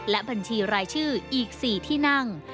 และบัญชีรายชื่ออีก๔ที่นั่ง